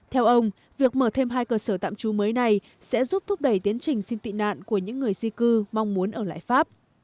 theo ông việc mở thêm hai cơ sở tạm trú mới này sẽ giúp thúc đẩy tiến trình xin tị nạn của những người di cư mong muốn ở lại pháp